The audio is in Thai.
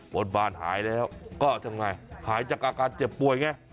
บนบานหายแล้วก็ทำไงหายจากอาการเจ็บป่วยไง